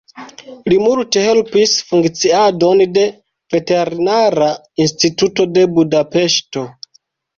Li multe helpis funkciadon de Veterinara Instituto de Budapeŝto.